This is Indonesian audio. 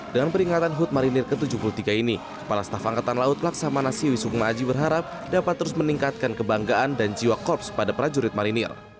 dengan peringatan hut marinir ke tujuh puluh tiga ini kepala staf angkatan laut laksamana siwi sukma aji berharap dapat terus meningkatkan kebanggaan dan jiwa korps pada prajurit marinir